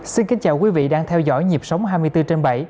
xin kính chào quý vị đang theo dõi nhịp sống hai mươi bốn trên bảy